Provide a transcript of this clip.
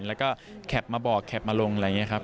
แล้วก็แคปมาบอกแคปมาลงอะไรอย่างนี้ครับ